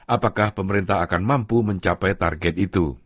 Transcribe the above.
apakah pemerintah akan mampu mencapai target itu